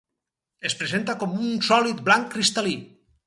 Es presenta com un sòlid blanc cristal·lí.